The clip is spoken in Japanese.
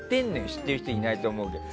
知ってる人いないと思うけど。